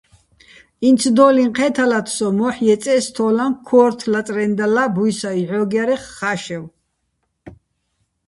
ინცდოლიჼ ჴეთალათსოჼ, მოჰ̦ ჲეწეს თოლა ქორთო̆ ლაწრენდალლა ბუჲსა ჲჵოგჲარეხ - ხაშევ.